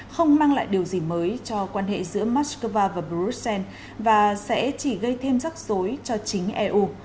không mang lại điều gì mới cho quan hệ giữa moscow và bruxelles và sẽ chỉ gây thêm rắc rối cho chính eu